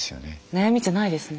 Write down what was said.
悩みじゃないですね。